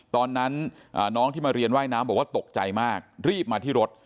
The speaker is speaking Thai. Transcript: ตอนนั้นน้องที่มาเรียนว่ายน้ำบอกว่าตกใจมากรีบมาที่รถ